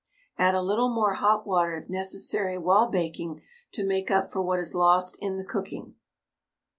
Add a little more hot water if necessary while baking to make up for what is lost in the cooking.